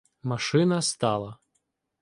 Машина стала.